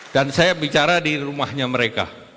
dan saya bicara di rumahnya mereka